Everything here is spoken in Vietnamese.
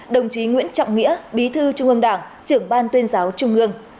đồng chí nguyễn trọng nghĩa bí thư trung ương đảng trưởng ban tuyên giáo trung ương